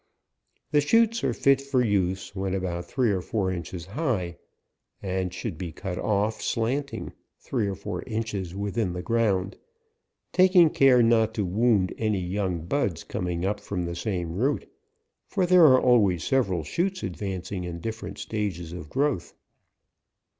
The shoots are fit for use when about three or four inches high, and should be cut off slanting, three or four inches within the ground, taking care not to wound any young buds coming up from the same root, for there are always several shoots advancing in differ ent stages of growth.